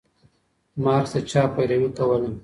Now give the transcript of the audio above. مارکس د چا پيروي کوله؟